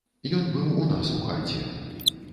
Ён быў у нас у хаце.